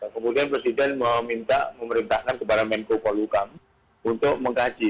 kemudian presiden meminta pemerintahkan kepada menko polukam untuk mengkaji